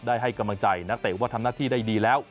ให้กำลังใจนักเตะว่าทำหน้าที่ได้ดีแล้ว